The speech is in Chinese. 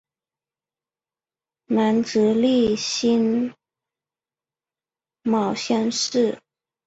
南直隶辛卯乡试。